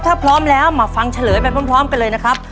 ถ้าพร้อมแล้วมาฟังเฉลยไปพร้อมกันเลยนะครับ